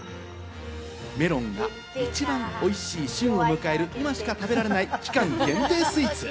メロンが一番おいしい旬を迎える今しか食べられない期間限定スイーツ。